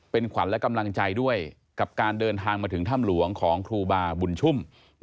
เป็นขวัญและกำลังใจด้วยกับการเดินทางมาถึงถ้ำหลวงของครูบาบุญชุ่ม